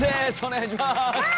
お願いします。